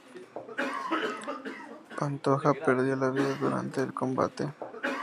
Pantoja perdió la vida durante el combate.